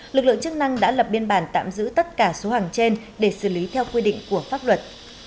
lực lượng chức năng đã lập biên bản tạm giữ tất cả số hàng trên để xử lý theo quy định của pháp luật